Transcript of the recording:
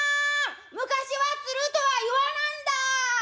昔はつるとは言わなんだ」。